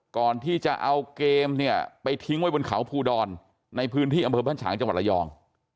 ก่อนที่จะเอาเกมเนี่ยไปทิ้งไว้บนเขาภูดรในพื้นที่อำเภอบ้านฉางจังหวัดระยอง